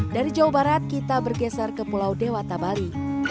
dari jawa barat kita bergeser ke pulau dewata bali